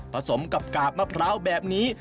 สมกับกาบมะพร้าวแบบนี้